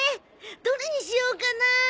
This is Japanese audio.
どれにしようかな。